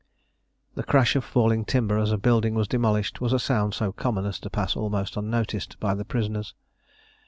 The crash of falling timber as a building was demolished was a sound so common as to pass almost unnoticed by the prisoners.